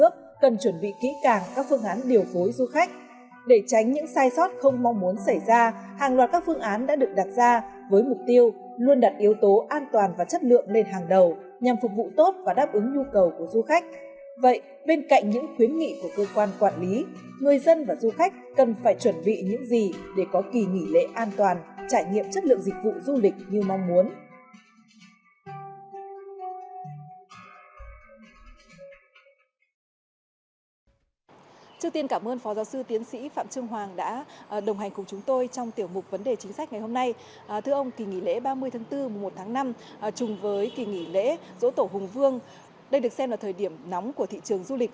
bên cạnh những khuyến nghị của cơ quan quản lý người dân và du khách cần phải chuẩn bị những gì để có kỳ nghỉ lễ an toàn trải nghiệm chất lượng dịch vụ du lịch như mang muốn